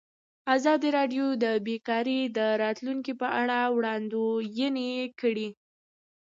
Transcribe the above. ازادي راډیو د بیکاري د راتلونکې په اړه وړاندوینې کړې.